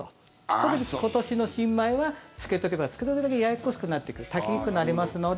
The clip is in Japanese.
特に今年の新米はつけておけばつけておくだけややこしくなっていく炊きにくくなりますので。